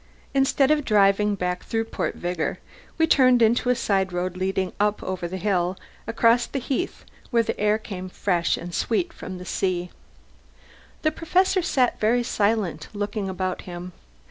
Instead of driving back through Port Vigor, we turned into a side road leading up over the hill and across the heath where the air came fresh and sweet from the sea. The Professor sat very silent, looking about him.